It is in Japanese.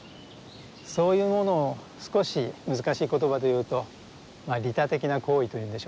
そういうものを少し難しい言葉で言うと「利他的な行為」というんでしょうか。